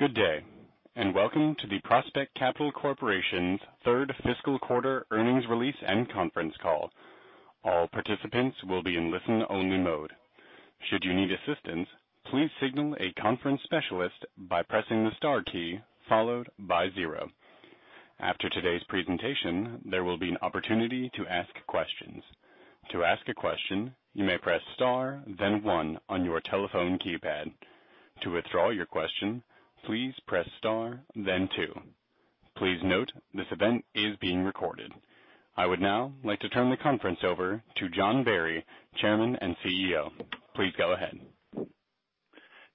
Good day. Welcome to the Prospect Capital Corporation's third fiscal quarter earnings release and conference call. All participants will be in listen-only mode. Should you need assistance, please signal a conference specialist by pressing the star key followed by zero. After today's presentation, there will be an opportunity to ask questions. To ask a question, you may press star, then one on your telephone keypad. To withdraw your question, please press star, then two. Please note, this event is being recorded. I would now like to turn the conference over to John Barry, Chairman and CEO. Please go ahead.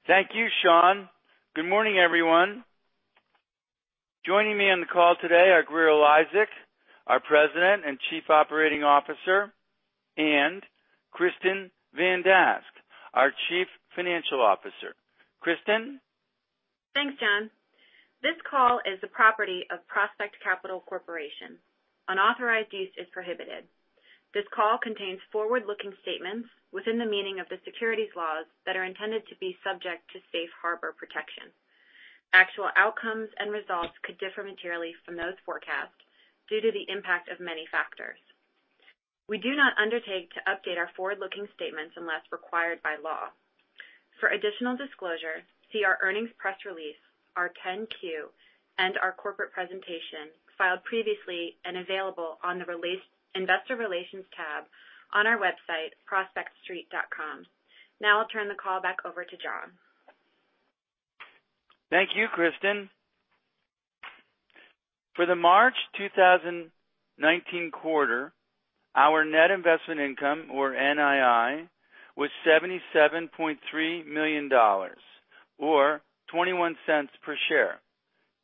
Thank you, Sean. Good morning, everyone. Joining me on the call today are Grier Eliasek, our President and Chief Operating Officer, and Kristin Van Dask, our Chief Financial Officer. Kristin? Thanks, John. This call is the property of Prospect Capital Corporation. Unauthorized use is prohibited. This call contains forward-looking statements within the meaning of the securities laws that are intended to be subject to safe harbor protection. Actual outcomes and results could differ materially from those forecasts due to the impact of many factors. We do not undertake to update our forward-looking statements unless required by law. For additional disclosure, see our earnings press release, our 10-Q, and our corporate presentation, filed previously and available on the investor relations tab on our website, prospectstreet.com. I'll turn the call back over to John. Thank you, Kristin. For the March 2019 quarter, our net investment income, or NII, was $77.3 million, or $0.21 per share,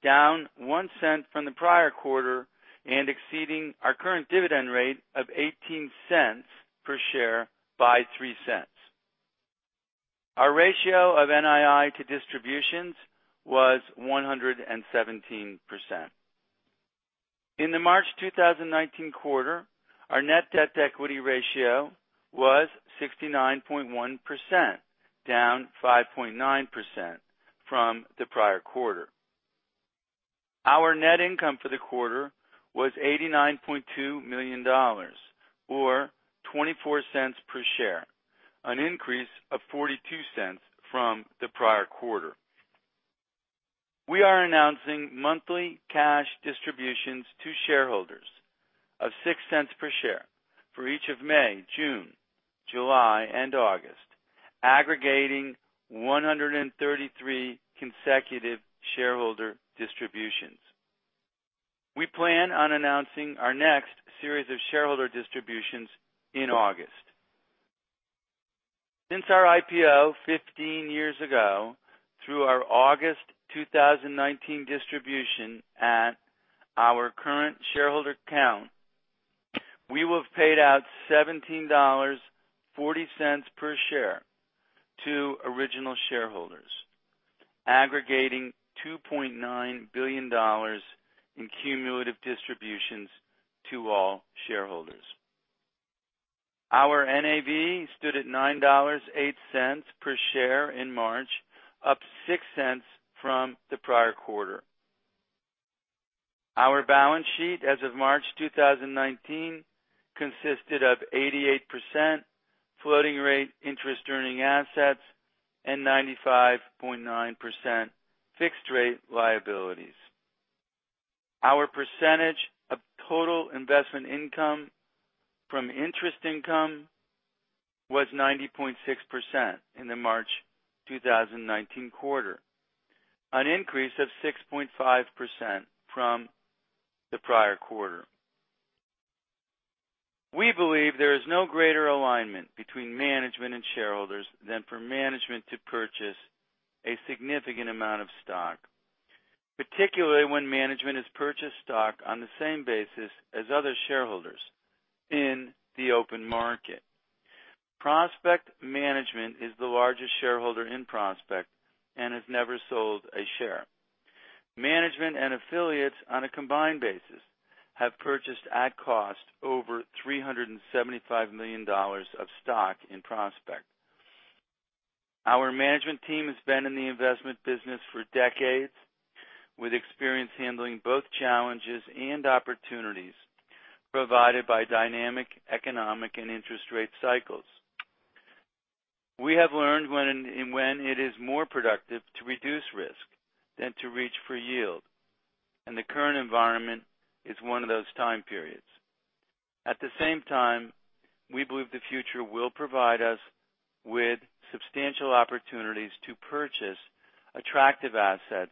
down $0.01 from the prior quarter and exceeding our current dividend rate of $0.18 per share by $0.03. Our ratio of NII to distributions was 117%. In the March 2019 quarter, our net debt-to-equity ratio was 69.1%, down 5.9% from the prior quarter. Our net income for the quarter was $89.2 million, or $0.24 per share, an increase of $0.42 from the prior quarter. We are announcing monthly cash distributions to shareholders of $0.06 per share for each of May, June, July, and August, aggregating 133 consecutive shareholder distributions. We plan on announcing our next series of shareholder distributions in August. Since our IPO 15 years ago, through our August 2019 distribution at our current shareholder count, we will have paid out $17.40 per share to original shareholders, aggregating $2.9 billion in cumulative distributions to all shareholders. Our NAV stood at $9.08 per share in March, up $0.06 from the prior quarter. Our balance sheet as of March 2019 consisted of 88% floating rate interest-earning assets and 95.9% fixed rate liabilities. Our percentage of total investment income from interest income was 90.6% in the March 2019 quarter, an increase of 6.5% from the prior quarter. We believe there is no greater alignment between management and shareholders than for management to purchase a significant amount of stock, particularly when management has purchased stock on the same basis as other shareholders in the open market. Prospect Management is the largest shareholder in Prospect Capital and has never sold a share. Management and affiliates, on a combined basis, have purchased at cost over $375 million of stock in Prospect Capital. Our management team has been in the investment business for decades, with experience handling both challenges and opportunities provided by dynamic economic and interest rate cycles. We have learned when and when it is more productive to reduce risk than to reach for yield, and the current environment is one of those time periods. At the same time, we believe the future will provide us with substantial opportunities to purchase attractive assets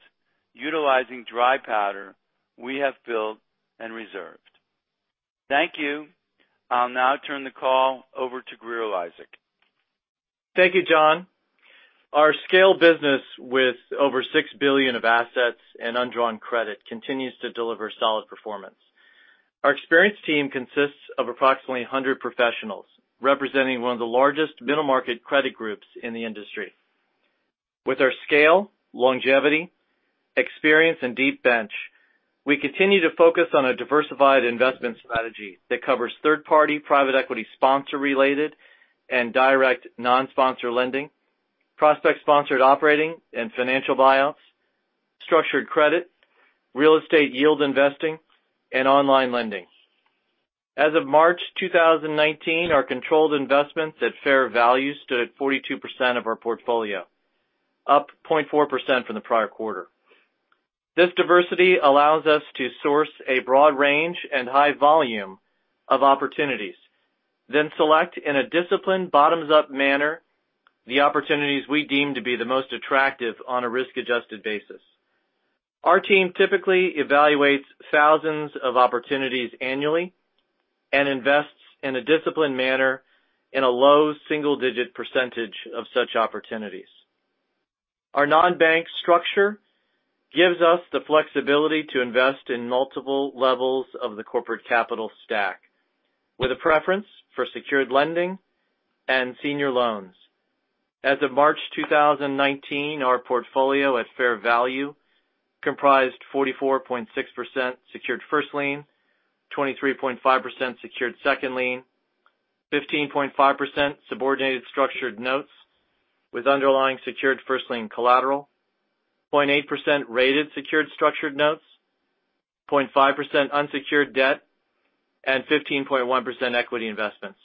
utilizing dry powder we have built and reserved. Thank you. I'll now turn the call over to Grier Eliasek. Thank you, John. Our scale business with over $6 billion of assets and undrawn credit continues to deliver solid performance. Our experienced team consists of approximately 100 professionals, representing one of the largest middle-market credit groups in the industry. With our scale, longevity, experience, and deep bench. We continue to focus on a diversified investment strategy that covers third-party private equity sponsor-related and direct non-sponsor lending, Prospect-sponsored operating and financial buyouts, structured credit, real estate yield investing, and online lending. As of March 2019, our controlled investments at fair value stood at 42% of our portfolio, up 0.4% from the prior quarter. This diversity allows us to source a broad range and high volume of opportunities, then select in a disciplined bottoms-up manner the opportunities we deem to be the most attractive on a risk-adjusted basis. Our team typically evaluates thousands of opportunities annually and invests in a disciplined manner in a low single-digit percentage of such opportunities. Our non-bank structure gives us the flexibility to invest in multiple levels of the corporate capital stack with a preference for secured lending and senior loans. As of March 2019, our portfolio at fair value comprised 44.6% secured first lien, 23.5% secured second lien, 15.5% subordinated structured notes with underlying secured first lien collateral, 0.8% rated secured structured notes, 0.5% unsecured debt, and 15.1% equity investments,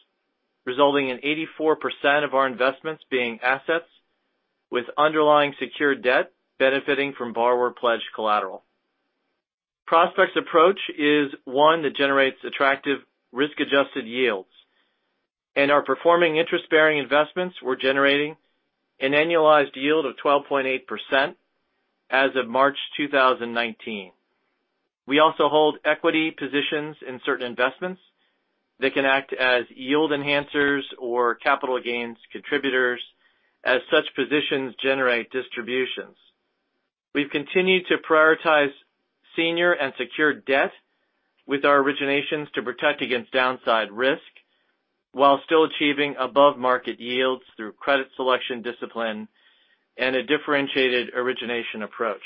resulting in 84% of our investments being assets with underlying secured debt benefiting from borrower pledged collateral. Prospect's approach is one that generates attractive risk-adjusted yields. In our performing interest-bearing investments, we're generating an annualized yield of 12.8% as of March 2019. We also hold equity positions in certain investments that can act as yield enhancers or capital gains contributors as such positions generate distributions. We've continued to prioritize senior and secured debt with our originations to protect against downside risk while still achieving above-market yields through credit selection discipline and a differentiated origination approach.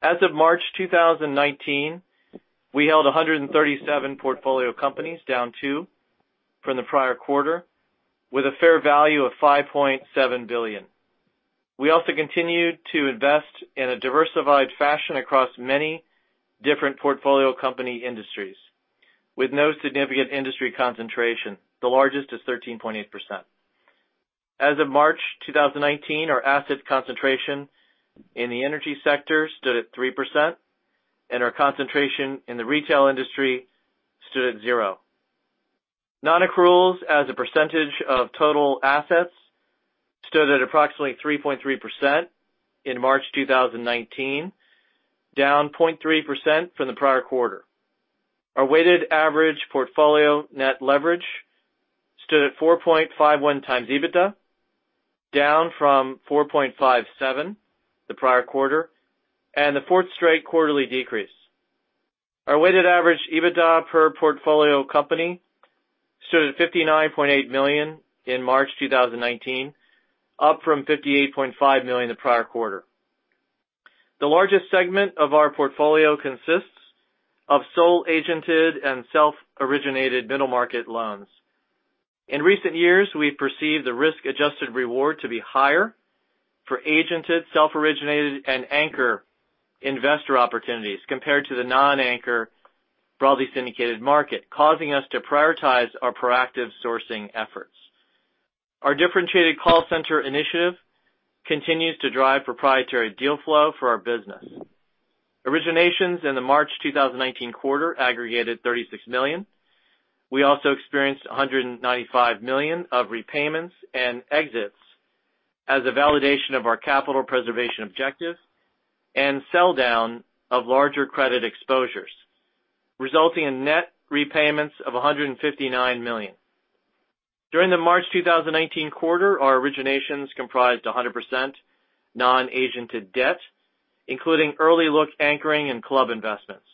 As of March 2019, we held 137 portfolio companies, down two from the prior quarter, with a fair value of $5.7 billion. We also continued to invest in a diversified fashion across many different portfolio company industries with no significant industry concentration. The largest is 13.8%. As of March 2019, our asset concentration in the energy sector stood at 3%, and our concentration in the retail industry stood at zero. Non-accruals as a percentage of total assets stood at approximately 3.3% in March 2019, down 0.3% from the prior quarter. Our weighted average portfolio net leverage stood at 4.51x EBITDA, down from 4.57 the prior quarter, and the fourth straight quarterly decrease. Our weighted average EBITDA per portfolio company stood at $59.8 million in March 2019, up from $58.5 million the prior quarter. The largest segment of our portfolio consists of sole agented and self-originated middle-market loans. In recent years, we've perceived the risk-adjusted reward to be higher for agented, self-originated, and anchor investor opportunities compared to the non-anchor broadly syndicated market, causing us to prioritize our proactive sourcing efforts. Our differentiated call center initiative continues to drive proprietary deal flow for our business. Originations in the March 2019 quarter aggregated $36 million. We also experienced $195 million of repayments and exits as a validation of our capital preservation objective and sell down of larger credit exposures, resulting in net repayments of $159 million. During the March 2019 quarter, our originations comprised 100% non-agented debt, including early look anchoring and club investments.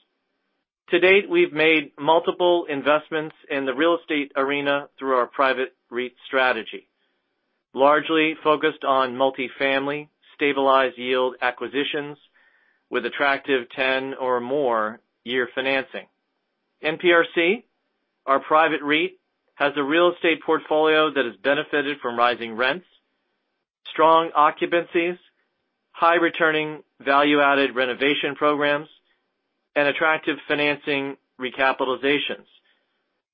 To date, we've made multiple investments in the real estate arena through our private REIT strategy, largely focused on multi-family stabilized yield acquisitions with attractive 10 or more year financing. NPRC, our private REIT, has a real estate portfolio that has benefited from rising rents, strong occupancies, high returning value-added renovation programs, and attractive financing recapitalizations,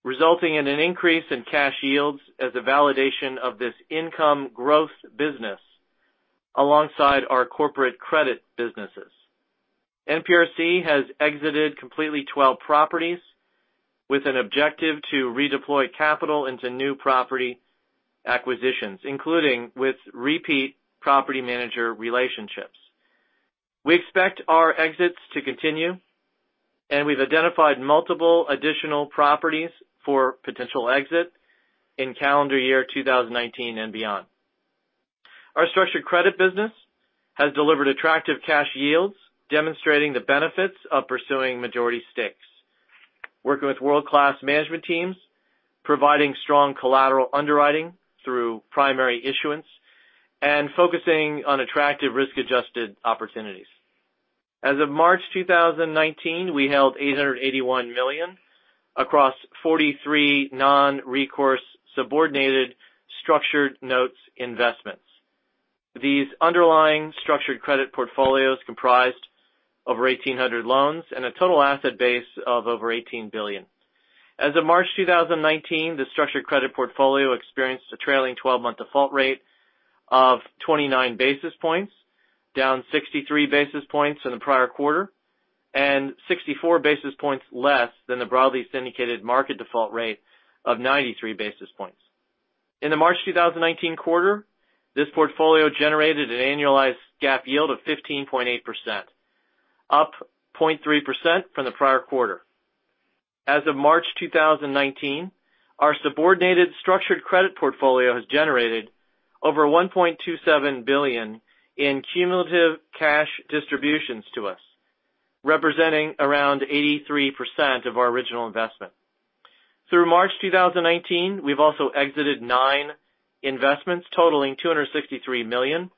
resulting in an increase in cash yields as a validation of this income growth business alongside our corporate credit businesses. NPRC has exited completely 12 properties with an objective to redeploy capital into new property acquisitions, including with repeat property manager relationships. We expect our exits to continue, and we've identified multiple additional properties for potential exit in calendar year 2019 and beyond. Our structured credit business has delivered attractive cash yields, demonstrating the benefits of pursuing majority stakes, working with world-class management teams, providing strong collateral underwriting through primary issuance, and focusing on attractive risk-adjusted opportunities. As of March 2019, we held $881 million across 43 non-recourse subordinated structured notes investments. These underlying structured credit portfolios comprised over 1,800 loans and a total asset base of over $18 billion. As of March 2019, the structured credit portfolio experienced a trailing 12-month default rate of 29 basis points, down 63 basis points in the prior quarter, and 64 basis points less than the broadly syndicated market default rate of 93 basis points. In the March 2019 quarter, this portfolio generated an annualized GAAP yield of 15.8%, up 0.3% from the prior quarter. As of March 2019, our subordinated structured credit portfolio has generated over $1.27 billion in cumulative cash distributions to us, representing around 83% of our original investment. Through March 2019, we've also exited nine investments totaling $263 million,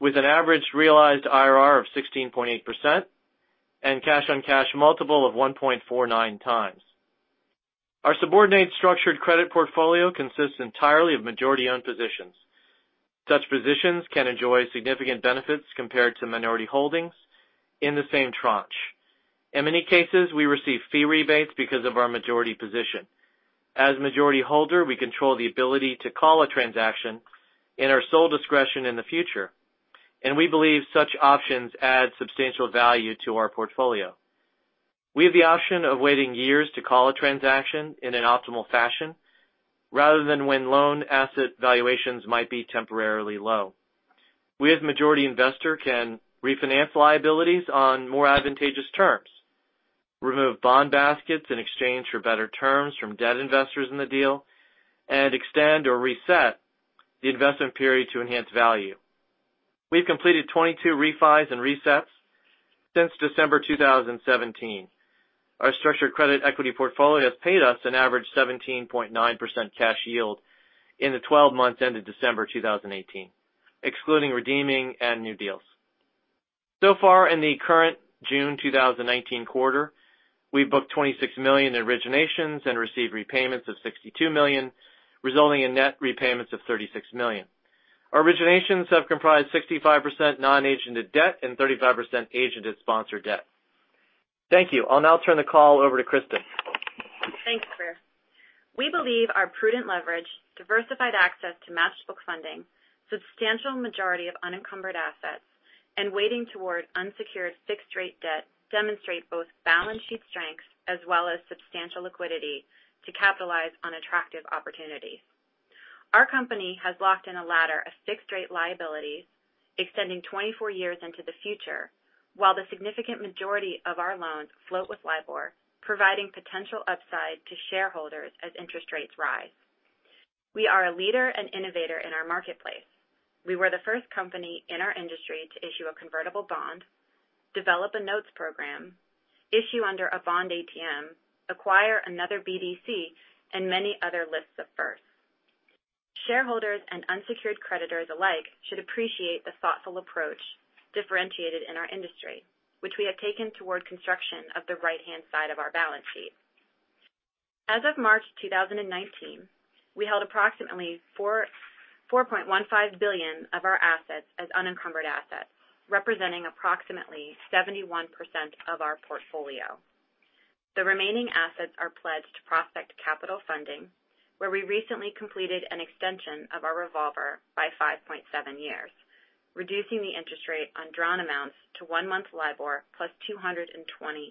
with an average realized IRR of 16.8% and cash-on-cash multiple of 1.49x. Our subordinate structured credit portfolio consists entirely of majority-owned positions. Such positions can enjoy significant benefits compared to minority holdings in the same tranche. In many cases, we receive fee rebates because of our majority position. As majority holder, we control the ability to call a transaction in our sole discretion in the future, and we believe such options add substantial value to our portfolio. We have the option of waiting years to call a transaction in an optimal fashion rather than when loan asset valuations might be temporarily low. We as majority investor can refinance liabilities on more advantageous terms, remove bond baskets in exchange for better terms from debt investors in the deal, and extend or reset the investment period to enhance value. We've completed 22 refis and resets since December 2017. Our structured credit equity portfolio has paid us an average 17.9% cash yield in the 12 months ended December 2018, excluding redeeming and new deals. In the current June 2019 quarter, we've booked $26 million in originations and received repayments of $62 million, resulting in net repayments of $36 million. Our originations have comprised 65% non-agented debt and 35% agented sponsored debt. Thank you. I'll now turn the call over to Kristin. Thanks, Grier. We believe our prudent leverage, diversified access to match book funding, substantial majority of unencumbered assets, and weighting toward unsecured fixed-rate debt demonstrate both balance sheet strengths as well as substantial liquidity to capitalize on attractive opportunities. Our company has locked in a ladder of fixed-rate liabilities extending 24 years into the future, while the significant majority of our loans float with LIBOR, providing potential upside to shareholders as interest rates rise. We are a leader and innovator in our marketplace. We were the first company in our industry to issue a convertible bond, develop a notes program, issue under a bond ATM, acquire another BDC, and many other lists of firsts. Shareholders and unsecured creditors alike should appreciate the thoughtful approach differentiated in our industry, which we have taken toward construction of the right-hand side of our balance sheet. As of March 2019, we held approximately $4.15 billion of our assets as unencumbered assets, representing approximately 71% of our portfolio. The remaining assets are pledged to Prospect Capital Funding, where we recently completed an extension of our revolver by 5.7 years, reducing the interest rate on drawn amounts to one-month LIBOR plus 220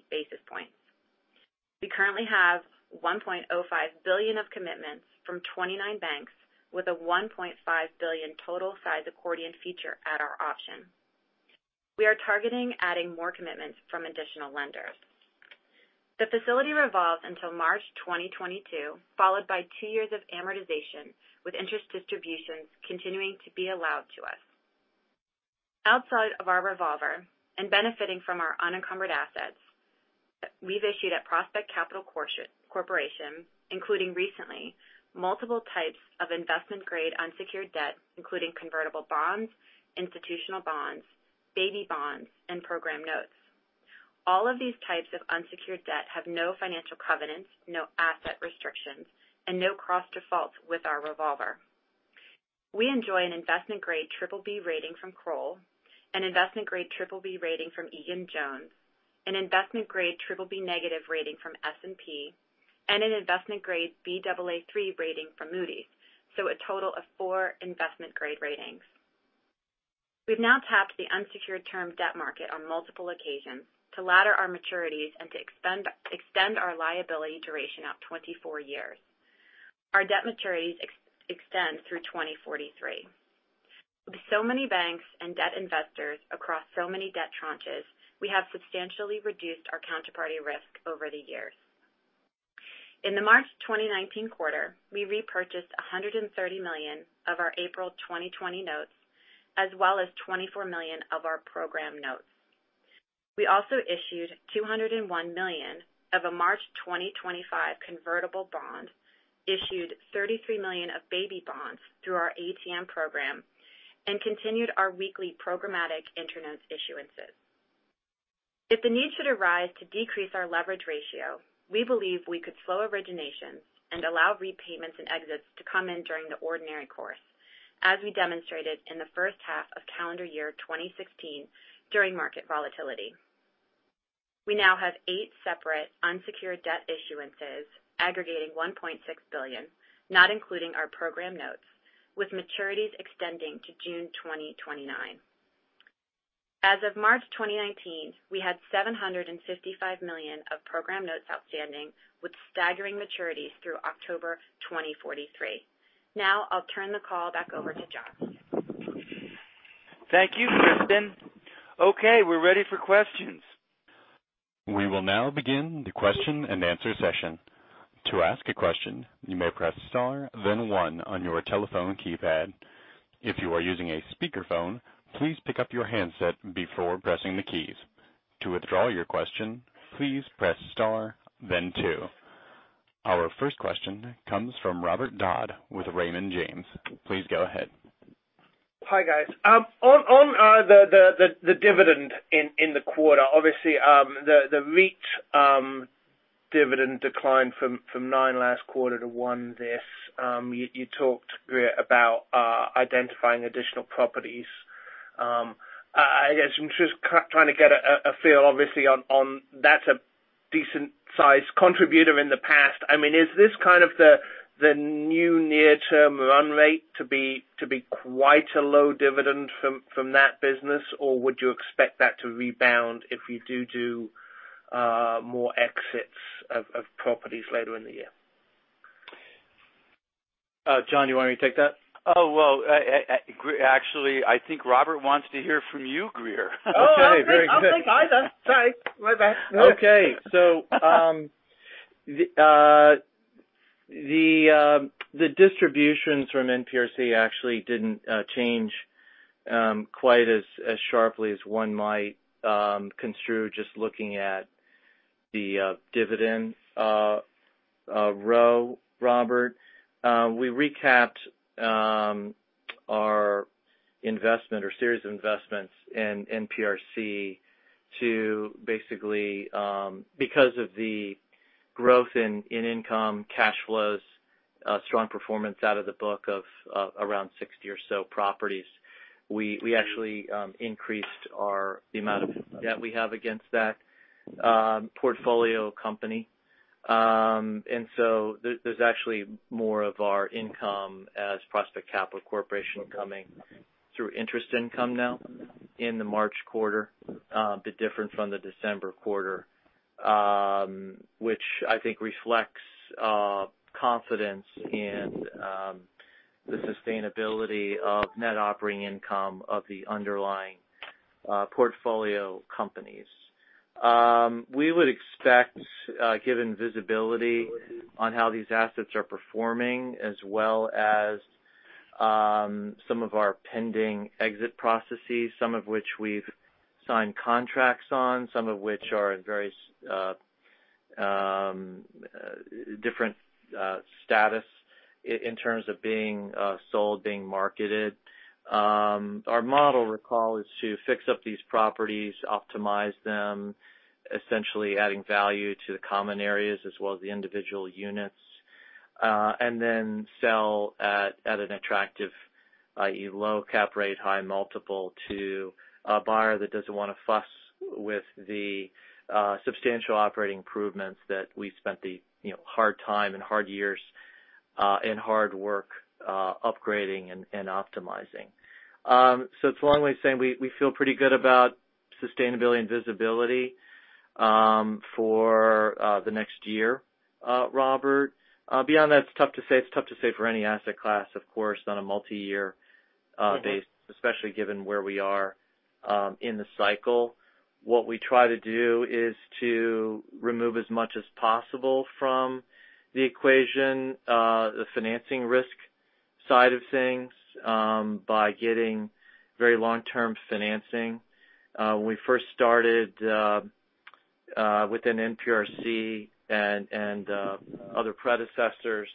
basis points. We currently have $1.05 billion of commitments from 29 banks, with a $1.5 billion total size accordion feature at our option. We are targeting adding more commitments from additional lenders. The facility revolves until March 2022, followed by two years of amortization, with interest distributions continuing to be allowed to us. Outside of our revolver and benefiting from our unencumbered assets, we've issued at Prospect Capital Corporation, including recently, multiple types of investment-grade unsecured debt, including convertible bonds, institutional bonds, baby bonds, and program notes. All of these types of unsecured debt have no financial covenants, no asset restrictions, and no cross defaults with our revolver. We enjoy an investment-grade BBB rating from Kroll, an investment-grade BBB rating from Egan-Jones, an investment-grade BBB- rating from S&P, and an investment-grade Baa3 rating from Moody's, a total of four investment-grade ratings. We've now tapped the unsecured term debt market on multiple occasions to ladder our maturities and to extend our liability duration out 24 years. Our debt maturities extend through 2043. With many banks and debt investors across so many debt tranches, we have substantially reduced our counterparty risk over the years. In the March 2019 quarter, we repurchased $130 million of our April 2020 notes, as well as $24 million of our program notes. We also issued $201 million of a March 2025 convertible bond, issued $33 million of baby bonds through our ATM program, and continued our weekly programmatic InterNotes issuances. If the need should arise to decrease our leverage ratio, we believe we could slow originations and allow repayments and exits to come in during the ordinary course, as we demonstrated in the first half of calendar year 2016 during market volatility. We now have eight separate unsecured debt issuances aggregating $1.6 billion, not including our program notes, with maturities extending to June 2029. As of March 2019, we had $755 million of program notes outstanding, with staggering maturities through October 2043. I'll turn the call back over to John. Thank you, Kristin. We're ready for questions. We will now begin the question-and-answer session. To ask a question, you may press star then one on your telephone keypad. If you are using a speakerphone, please pick up your handset before pressing the keys. To withdraw your question, please press star then two. Our first question comes from Robert Dodd with Raymond James. Please go ahead. Hi, guys. On the dividend in the quarter, obviously, the REIT dividend declined from nine last quarter to one this. You talked, Grier, about identifying additional properties. I guess I'm just trying to get a feel, obviously, on that. A decent-sized contributor in the past. Is this kind of the new near-term run rate to be quite a low dividend from that business? Would you expect that to rebound if you do more exits of properties later in the year? John, do you want me to take that? Well, actually, I think Robert wants to hear from you, Grier. Okay. Very good. Okay. I'll take either. Sorry. My bad. Okay. The distributions from NPRC actually didn't change quite as sharply as one might construe just looking at the dividend row, Robert. We recapped our investment or series of investments in NPRC to basically, because of the growth in income, cash flows, strong performance out of the book of around 60 or so properties. We actually increased the amount of debt we have against that portfolio company. There's actually more of our income as Prospect Capital Corporation coming through interest income now in the March quarter. The difference from the December quarter which I think reflects confidence in the sustainability of net operating income of the underlying portfolio companies. We would expect, given visibility on how these assets are performing as well as some of our pending exit processes, some of which we've signed contracts on, some of which are in very different status in terms of being sold, being marketed. Our model recall is to fix up these properties, optimize them, essentially adding value to the common areas as well as the individual units, and then sell at an attractive, i.e., low cap rate, high multiple to a buyer that doesn't want to fuss with the substantial operating improvements that we spent the hard time and hard years and hard work upgrading and optimizing. It's a long way of saying we feel pretty good about sustainability and visibility for the next year, Robert. Beyond that, it's tough to say for any asset class, of course, on a multi-year base, especially given where we are in the cycle. What we try to do is to remove as much as possible from the equation the financing risk side of things by getting very long-term financing. When we first started within NPRC and other predecessors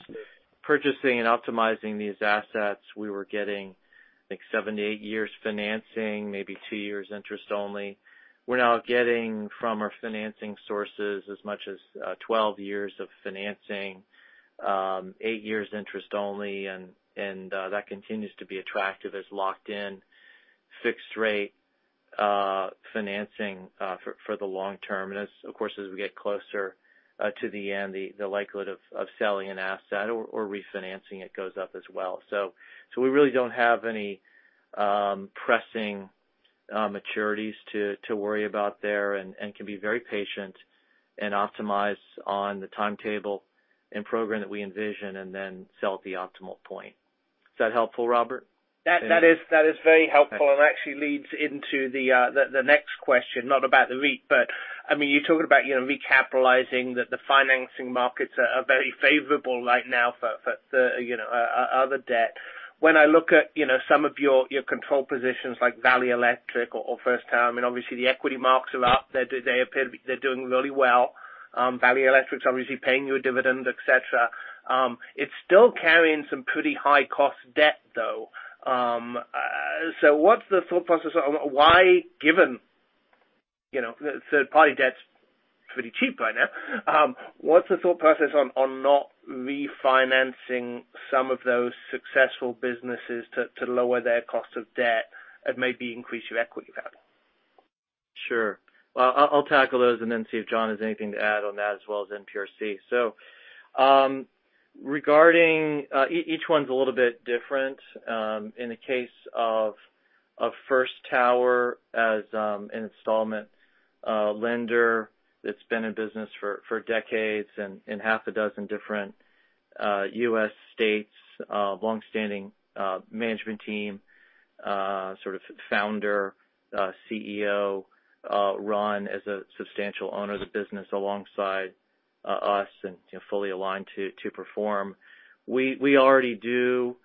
purchasing and optimizing these assets, we were getting, I think, seven to eight years financing, maybe two years interest only. We're now getting from our financing sources as much as 12 years of financing, eight years interest only, and that continues to be attractive as locked-in fixed-rate financing for the long term. Of course, as we get closer to the end, the likelihood of selling an asset or refinancing it goes up as well. We really don't have any pressing maturities to worry about there and can be very patient and optimize on the timetable and program that we envision and then sell at the optimal point. Is that helpful, Robert? That is very helpful and actually leads into the next question, not about the REIT, but you talked about recapitalizing, that the financing markets are very favorable right now for other debt. When I look at some of your control positions like Valley Electric or First Tower, I mean, obviously, the equity markets are up. They're doing really well. Valley Electric's obviously paying you a dividend, et cetera. It's still carrying some pretty high-cost debt, though. What's the thought process on why, given third-party debt's pretty cheap right now, what's the thought process on not refinancing some of those successful businesses to lower their cost of debt and maybe increase your equity value? Sure. Well, I'll tackle those and then see if John has anything to add on that as well as NPRC. Each one's a little bit different. In the case of First Tower as an installment lender that's been in business for decades in half a dozen different U.S. states, longstanding management team, sort of founder, CEO, Ron, as a substantial owner of the business alongside us and fully aligned to perform. We already do,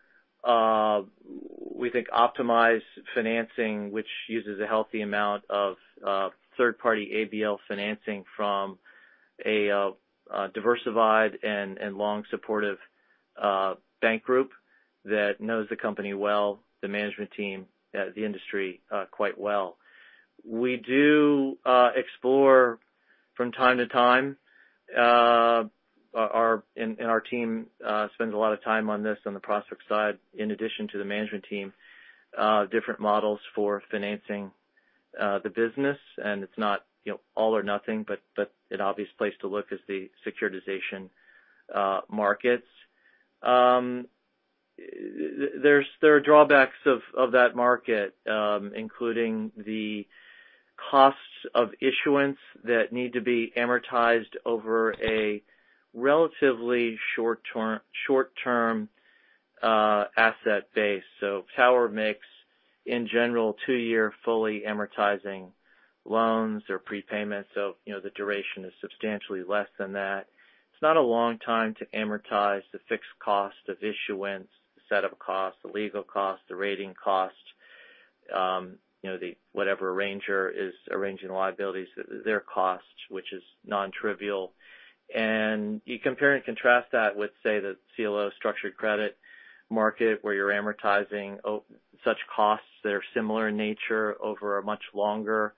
we think, optimize financing, which uses a healthy amount of third-party ABL financing from a diversified and long supportive bank group that knows the company well, the management team, the industry quite well. We do explore from time to time, and our team spends a lot of time on this on the Prospect side, in addition to the management team, different models for financing the business, and it's not all or nothing, but an obvious place to look is the securitization markets. There are drawbacks of that market, including the costs of issuance that need to be amortized over a relatively short-term asset base. Tower makes, in general, two-year fully amortizing loans or prepayments. The duration is substantially less than that. It's not a long time to amortize the fixed cost of issuance, the set-up costs, the legal costs, the rating cost, the whatever arranger is arranging the liabilities, their costs, which is non-trivial. You compare and contrast that with, say, the CLO structured credit market where you're amortizing such costs that are similar in nature over a much longer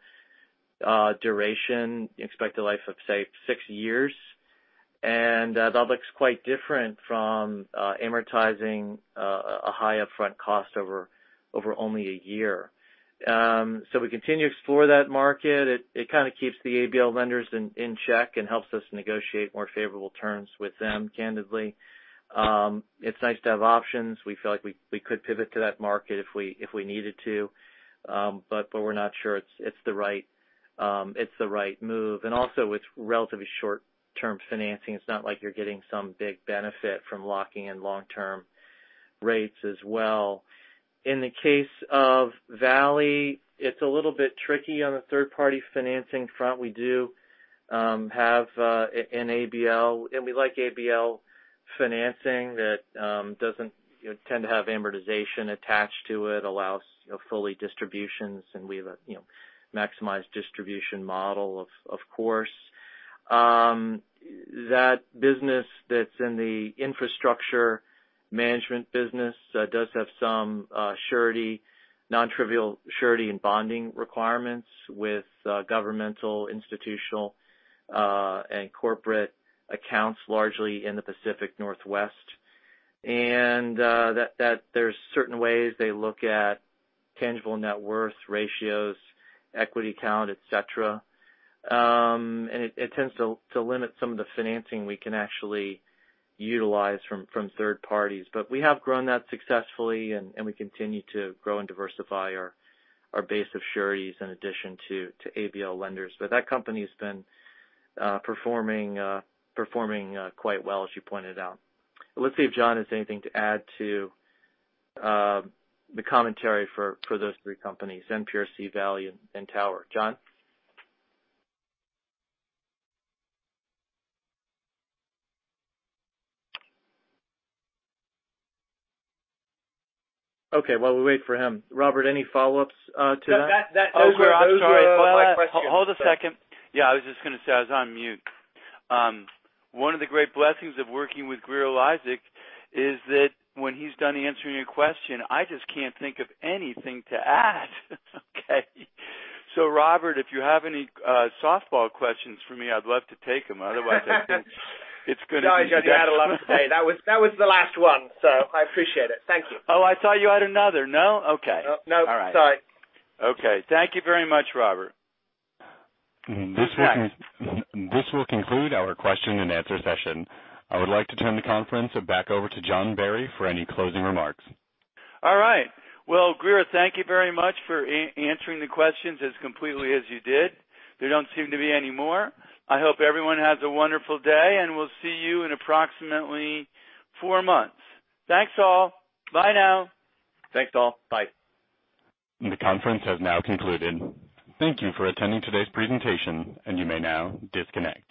duration, expected life of, say, six years. That looks quite different from amortizing a high upfront cost over only a year. We continue to explore that market. It kind of keeps the ABL lenders in check and helps us negotiate more favorable terms with them, candidly. It's nice to have options. We feel like we could pivot to that market if we needed to. We're not sure it's the right move. Also, it's relatively short-term financing. It's not like you're getting some big benefit from locking in long-term rates as well. In the case of Valley, it's a little bit tricky on the third-party financing front. We do have an ABL. We like ABL financing that doesn't tend to have amortization attached to it. Allows fully distributions. We have a maximized distribution model, of course. That business that's in the infrastructure management business does have some non-trivial surety and bonding requirements with governmental, institutional, and corporate accounts, largely in the Pacific Northwest. That there's certain ways they look at tangible net worth ratios, equity count, et cetera. It tends to limit some of the financing we can actually utilize from third parties. We have grown that successfully, and we continue to grow and diversify our base of sureties in addition to ABL lenders. That company's been performing quite well, as you pointed out. Let's see if John has anything to add to the commentary for those three companies, NPRC, Valley, and Tower. John? While we wait for him, Robert, any follow-ups to that? That was my last question. Hold a second. I was just going to say, I was on mute. One of the great blessings of working with Grier Eliasek is that when he's done answering a question, I just can't think of anything to add. Robert, if you have any softball questions for me, I'd love to take them. Otherwise, I think it's gonna be. No, I think you had a lot to say. That was the last one. I appreciate it. Thank you. Oh, I thought you had another. No? Okay. No. All right. Sorry. Okay. Thank you very much, Robert. This will conclude our question-and answer-session. I would like to turn the conference back over to John Barry for any closing remarks. All right. Well, Grier, thank you very much for answering the questions as completely as you did. There don't seem to be any more. I hope everyone has a wonderful day, and we'll see you in approximately four months. Thanks, all. Bye now. Thanks, all. Bye. The conference has now concluded. Thank you for attending today's presentation, and you may now disconnect.